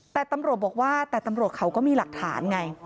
แต่ตำรวจบอกว่าแต่ตำรวจเขาก็มีหลักฐานไง